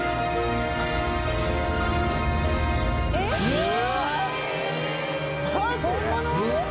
えっ？